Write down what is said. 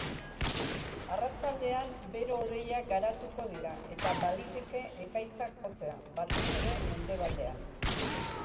Arratsaldean bero-hodeiak garatuko dira eta baliteke ekaitzak jotzea, batez ere mendebaldean.